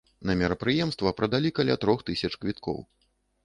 На мерапрыемства прадалі каля трох тысяч квіткоў.